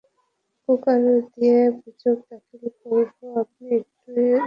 Cooker দিয়ে অভিযোগ দাখিল করবো আপনি একটু এইদিকে বসুন।